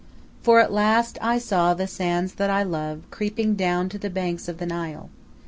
For at last I saw the sands that I love creeping down to the banks of the Nile.